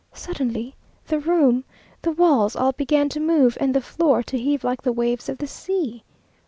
Suddenly, the room, the walls, all began to move, and the floor to heave like the waves of the sea!